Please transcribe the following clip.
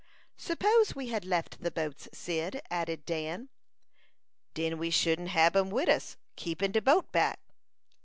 "Suppose we had left the boats, Cyd," added Dan. "Den we shouldn't hab em wid us, keepin de boat back."